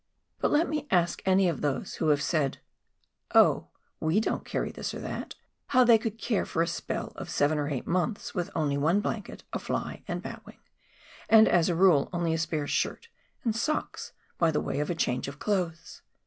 But let me ask any of those who have said, " Oh, ice don't carry this or that," how they would care for a spell of seven or eight months with only one blanket, a fly and batwing, and, as a rule, only a spare shirt and socks by way of a change of clothes